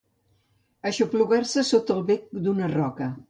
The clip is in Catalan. Aixoplugar-se sota el bec d'una roca.